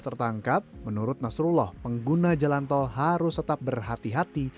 tertangkap menurut nasrullah pengguna jalan tol harus tetap berhati hati